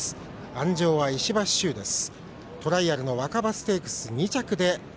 鞍上は石橋脩です。